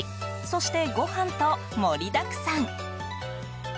そしてご飯と盛りだくさん。